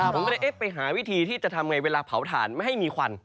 ผมก็เลยเอ๊ะไปหาวิธีที่จะทำไงเวลาเผาถ่านไม่ให้มีควัน